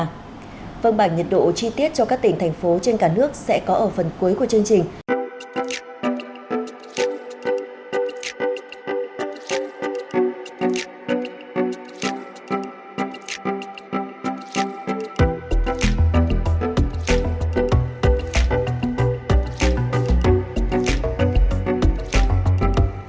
phương bản nhiệt độ chi tiết cho các tỉnh thành phố trên cả nước sẽ có ở phần cuối của chương trình